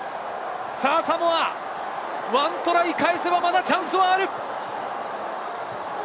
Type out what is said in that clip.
１トライ返せば、まだチャンスはある！